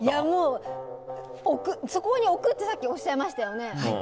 もう、そこに置くってさっきおっしゃいましたよね。